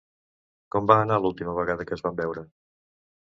Com va anar l'última vegada que es van veure?